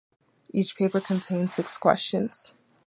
Each paper contains six questions.